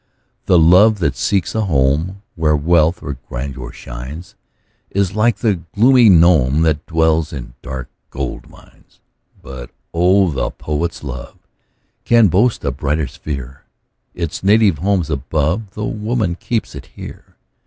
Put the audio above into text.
The love that seeks a home Where wealth or grandeur shines, Is like the gloomy gnome, That dwells in dark gold mines. But oh! the poet's love Can boast a brighter sphere; Its native home's above, Tho' woman keeps it here.